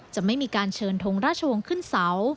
จะไม่มีการเชิญทงราชวงศ์ขึ้นเสา